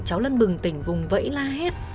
cháu lân bừng tỉnh vùng vẫy la hết